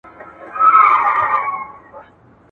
وژني بېګناه انسان ګوره چي لا څه کیږي.